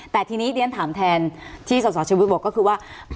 แต่ทีนี้เรียนถามแทนที่สสชวิตบอกก็คือว่า